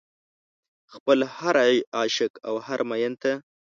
خپل هر عاشق او هر مين ته